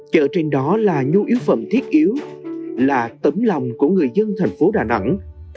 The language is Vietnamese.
chợ trên đó là nhu yếu phẩm thiết yếu là tấm lòng của người dân thành phố đà nẵng